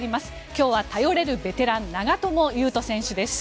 今日は頼れるベテラン長友佑都選手です。